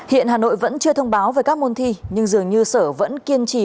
hiện hà nội vẫn chưa thông báo về các môn thi nhưng dường như sở vẫn kiên trì